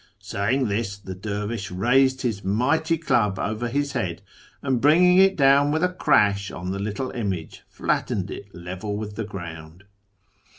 Saying this, the dervish raised his mighty club over his head, and, bringing it down with a crash on the little image, flattened it level with the ground.